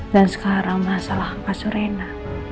dan sekarang masalah hak asurena